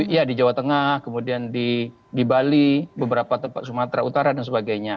ya di jawa tengah kemudian di bali beberapa tempat sumatera utara dan sebagainya